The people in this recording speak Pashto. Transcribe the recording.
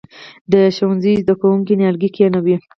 د ښوونځي زده کوونکي نیالګي کینوي؟